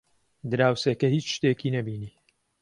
دراوسێکە هیچ شتێکی نەبینی.